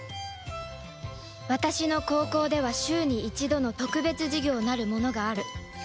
私の高校では週に１度の特別授業なるものがある